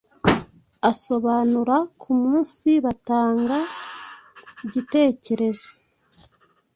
asobanura kumunsi batanga igitekerezo